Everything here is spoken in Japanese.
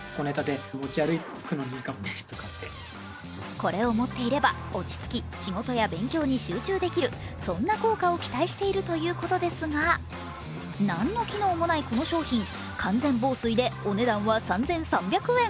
これを持っていれば、落ち着き、仕事や勉強に集中できる、そんな効果を期待しているということですが何の機能もないこの商品、完全防水でお値段は３３００円。